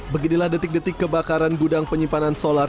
beginilah detik detik kebakaran gudang penyimpanan solar